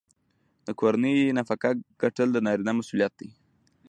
د کورنۍ نفقه ګټل د نارینه مسوولیت دی.